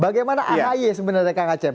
bagaimana ahy sebenarnya kang acep